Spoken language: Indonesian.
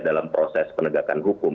dalam proses penegakan hukum